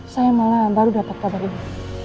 saya malah baru dapat kabar ini